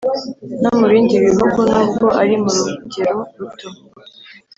no mu bindi bihugu, nubwo ari mu rugero ruto